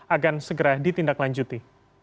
akan segera ditindaklanjuti